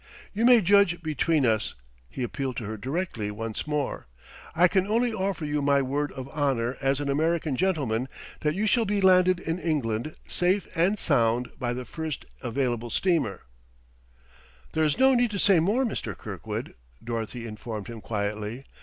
"You may judge between us," he appealed to her directly, once more. "I can only offer you my word of honor as an American gentleman that you shall be landed in England, safe and sound, by the first available steamer " "There's no need to say more, Mr. Kirkwood," Dorothy informed him quietly.